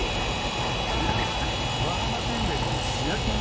これあれじゃない？